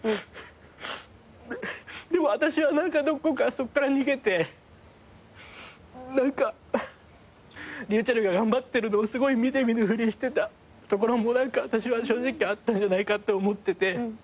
でも私はどこかそこから逃げてｒｙｕｃｈｅｌｌが頑張ってるのを見て見ぬふりしてたところも私は正直あったんじゃないかって思ってて。